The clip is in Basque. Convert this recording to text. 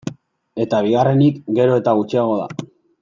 Eta bigarrenik, gero eta gutxiago da.